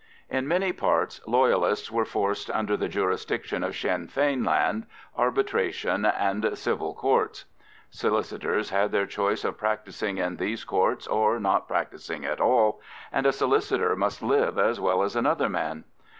In many parts Loyalists were forced under the jurisdiction of Sinn Fein Land, Arbitration, and Civil Courts. Solicitors had their choice of practising in these Courts or not practising at all, and a solicitor must live as well as another man.